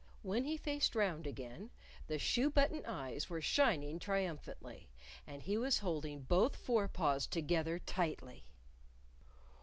When he faced round again, the shoe button eyes were shining triumphantly, and he was holding both fore paws together tightly.